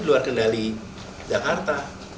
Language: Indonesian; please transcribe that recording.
luar kendali jakarta